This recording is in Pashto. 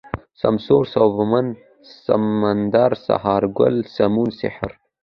سمسور ، سوبمن ، سمندر ، سهارگل ، سمون ، سحر